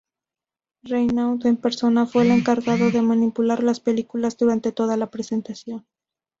Reynaud en persona fue el encargado de manipular las películas durante toda la presentación.